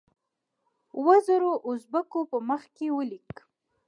اوو زرو اوزبیکو په مخ کې ولیک.